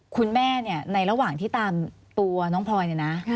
คุณแม่เนี่ยในระหว่างที่ตามตัวน้องพลอยเนี่ยนะ